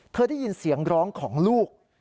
ได้ยินเสียงร้องของลูก